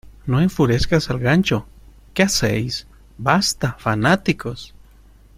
No enfurezcas al gancho. ¿ Qué hacéis? ¡ Basta, fanáticos!